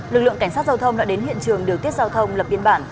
lực lượng cảnh sát giao thông đã đến hiện trường điều tiết giao thông lập biên bản